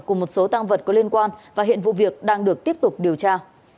cùng một số tăng vật có liên quan và hiện vụ việc đang được tiếp tục điều tra